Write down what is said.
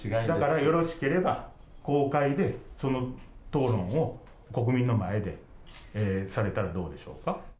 だからよろしければ、公開でその討論を、国民の前でされたらどうでしょうか。